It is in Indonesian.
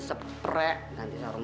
tiap hari harus ganti spray